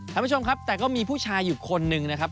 ท่านผู้ชมครับแต่ก็มีผู้ชายอยู่คนหนึ่งนะครับ